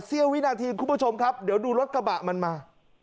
เสี้ยวินาทีคุณผู้ชมครับเดี๋ยวดูรถกระบะมันมา